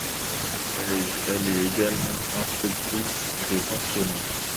Elle est également inspectrice des pensionnats.